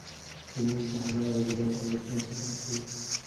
ټولنیز نهادونه د ګډو ارزښتونو ساتنه کوي.